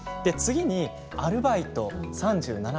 次にアルバイト３７％。